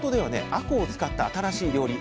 あこうを使った新しい料理